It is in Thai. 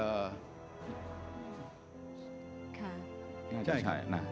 น่าจะใช่นะ